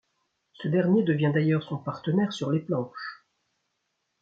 Ce dernier devient d’ailleurs son partenaire sur les planches.